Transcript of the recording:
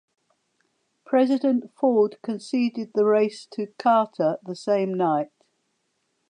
President Ford conceded the race to Carter the same night.